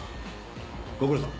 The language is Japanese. ご苦労さん。